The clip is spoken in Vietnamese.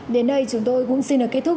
đến đây chúng tôi cũng xin kết thúc